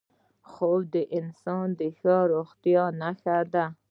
خوب د انسان د ښې روغتیا نښه ده